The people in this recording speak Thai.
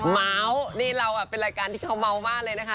เมาส์นี่เราเป็นรายการที่เขาเมาส์มากเลยนะคะ